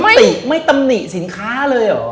ติไม่ตำหนิสินค้าเลยเหรอ